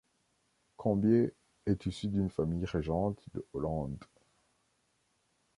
Cambier est issu d'une famille régente de Hollande.